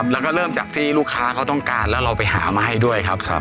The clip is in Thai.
แล้วก็เริ่มจากที่ลูกค้าเขาต้องการแล้วเราไปหามาให้ด้วยครับ